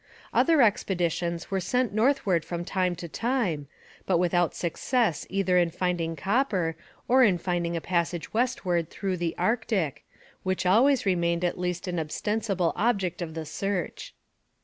Other expeditions were sent northward from time to time, but without success either in finding copper or in finding a passage westward through the Arctic, which always remained at least an ostensible object of the search.